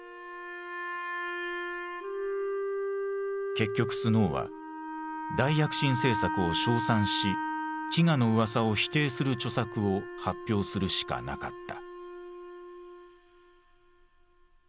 結局スノーは大躍進政策を称賛し飢餓の噂を否定する著作を発表するしかなかった。